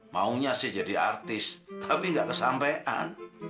maunya sih jadi artis tapi nggak kesampean